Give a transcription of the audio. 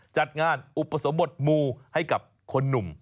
จัดงานอุปสมบทมูให้กับคนหนุ่ม